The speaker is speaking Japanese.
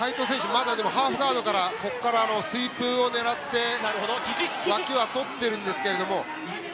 まだハーフガードからスイープを狙ってわきはとっているんですけど